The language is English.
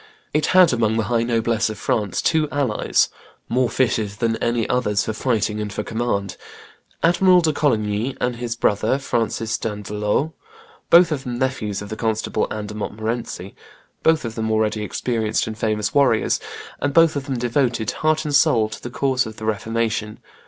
It had amongst the high noblesse of France two allies, more fitted than any others for fighting and for command, Admiral de Coligny and his brother, Francis d'Andelot, both of them nephews of the Constable Anne de Montmorency, both of them already experienced and famous warriors, and both of them devoted, heart and soul, to the cause of the Reformation.